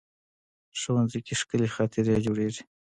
ښوونځی کې ښکلي خاطرې جوړېږي